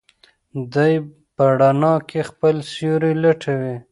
دی په رڼا کې خپل سیوری لټوي.